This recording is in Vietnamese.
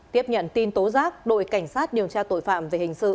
tiếp nhận tin tố giác đội cảnh sát điều tra tội phạm về hình sự